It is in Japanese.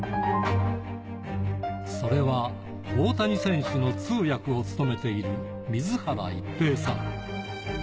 それは大谷選手の通訳を務めている水原一平さん。